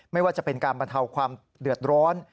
ไม่ว่าจะเป็นการบรรเทาความเดือดร้อน